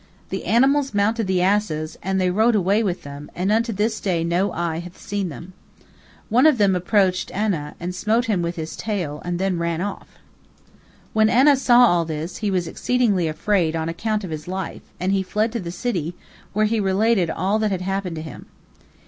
The animals mounted the asses, and they rode away with them, and unto this day no eye hath seen them. One of them approached Anah, and smote him with its tail, and then ran off. When Anah saw all this, he was exceedingly afraid on account of his life, and he fled to the city, where he related all that had happened to him.